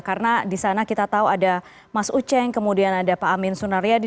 karena di sana kita tahu ada mas ucheng kemudian ada pak amin sunaryadi